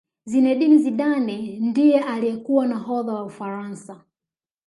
zinedine zidane ndiye aliyekuwa nahodha wa ufaransa